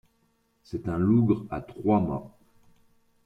C'est un lougre à trois mâts.